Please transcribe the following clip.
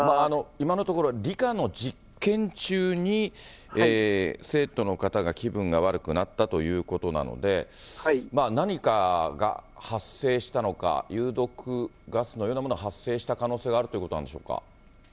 今のところ、理科の実験中に生徒の方が気分が悪くなったということなので、何かが発生したのか、有毒ガスのようなものが発生した可能性があるということなんでしょうか。